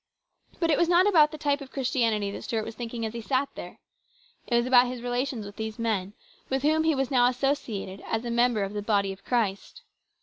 But it was not about the type of Christianity that Stuart was thinking as he sat there. It was about his relations with these men with whom he was now associated as a member of the body of Christ.